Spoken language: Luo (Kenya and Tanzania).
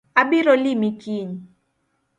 Abiro limi kiny